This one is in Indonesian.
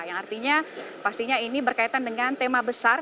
yang artinya pastinya ini berkaitan dengan tema besar